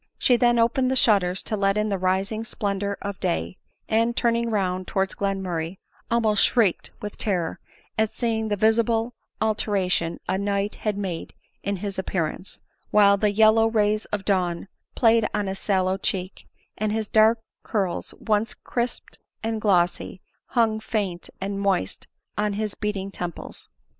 She then opened the shutters to let in the rising splendor of day, and, turning round towards Glenmurray, almost shrieked with terror at see ing the visible alteration a night had made in his appear ance ; while the yellow rays of the dawn played on his sallow cheek, and bis dark curls, once crisped and glossy, hung faint and moist on his beating temples.